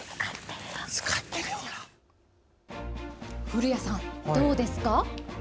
古谷さん、どうですか？